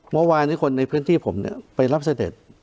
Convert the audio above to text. เมื่อวานที่คนในพื้นที่ผมเนี้ยไปรับเสด็จ